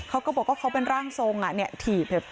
เขาก็บอกว่ามันร่างทรงอ่ะเนี่ยฐีบ